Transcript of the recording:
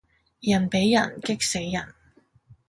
人比人激死人